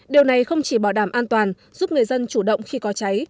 điều này không chỉ bảo đảm an toàn giúp người dân chủ động khi có cháy chữa cháy